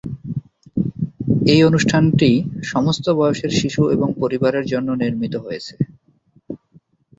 এই অনুষ্ঠানটি সমস্ত বয়সের শিশু এবং পরিবারের জন্য নির্মিত হয়েছে।